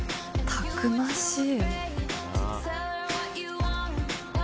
たくましい！